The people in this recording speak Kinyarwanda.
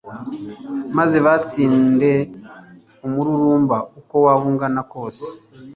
maze batsinde umururumba uko waba ungana kose